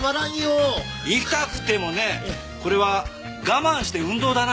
痛くてもねこれは我慢して運動だな。